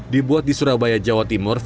dibuat di surabaya jawa timur